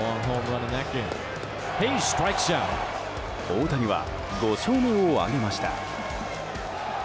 大谷は５勝目を挙げました。